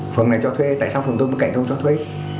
phòng này cho thuê tại sao phòng tôi không cạnh tôi cho thuê